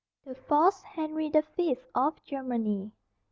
THE FALSE HENRY THE FIFTH OF GERMANY.